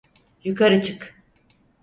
Yukarı çık!